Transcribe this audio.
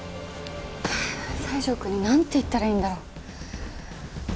西条くんになんて言ったらいいんだろ。